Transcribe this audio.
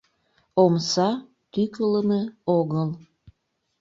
— Омса тӱкылымӧ огыл.